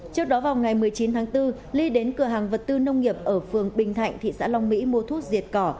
trước đó vào ngày một mươi chín tháng bốn ly đến cửa hàng vật tư nông nghiệp ở phường bình thạnh thị xã long mỹ mua thuốc diệt cỏ